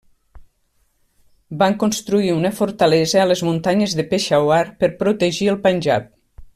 Van construir una fortalesa a les muntanyes de Peshawar per protegir el Panjab.